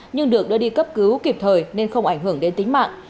nhưng được đưa đi cấp cứu kịp thời nên không ảnh hưởng đến tính mạng